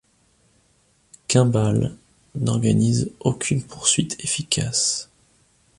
Kimball n'organise aucune poursuite efficace.